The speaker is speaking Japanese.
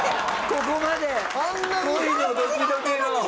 ここまで恋のドキドキの。